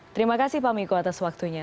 terima kasih pak miko atas waktunya